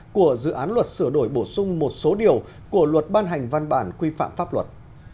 của dự án luật sửa đổi bổ sung một số điều của luật ban hành văn bản quy phạm pháp luật